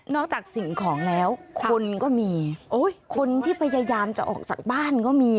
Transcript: จากสิ่งของแล้วคนก็มีโอ้ยคนที่พยายามจะออกจากบ้านก็มี